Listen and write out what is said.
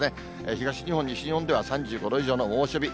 東日本、西日本では、３５度以上の猛暑日。